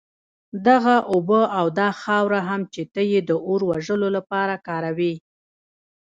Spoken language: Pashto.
دغه اوبه او دا خاوره هم چي ته ئې د اور وژلو لپاره كاروې